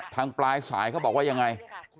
ทางปลายสายเขาบอกว่ายังไง